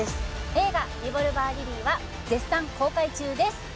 映画「リボルバー・リリー」は絶賛公開中です